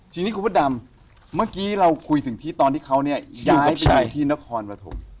ทีนี้คุณพระดำเมื่อกี้เราคุยถึงที่ตอนที่เขาเนี่ยย้ายไปที่นครปฐม